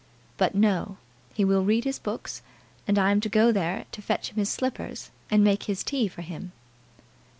"But, no; he will read his books, and I am to go there to fetch him his slippers, and make his tea for him."